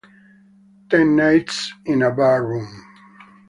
Ten Nights in a Bar Room